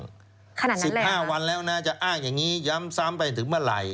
ขนาดนั้นแรงนะสิบห้าวันแล้วนะจะอ้างอย่างนี้ย้ำซ้ำไปถึงมาไหล